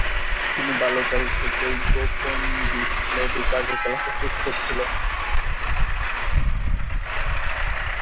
তিনি বাল্যকাল থেকেই গোপন বিপ্লবী কার্যকলাপে যুক্ত ছিলেন।